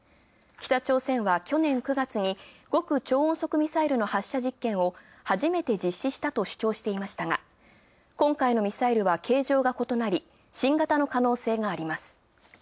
北朝鮮は去年９月に極超音速ミサイルの発射実験を初めて実施したと主張していましたが、今回のミサイルは形状が異なり、新型の可能性があります。